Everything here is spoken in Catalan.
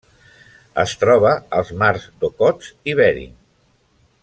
Es troba als mars d'Okhotsk i Bering.